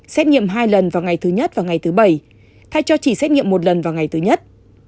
xét nghiệm hai lần vào ngày thứ nhất và ngày thứ bảy thay cho chỉ xét nghiệm một lần vào ngày thứ nhất